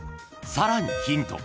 ［さらに］